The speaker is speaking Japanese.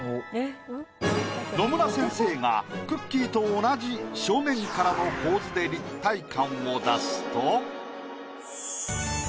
野村先生がくっきー！と同じ正面からの構図で立体感を出すと。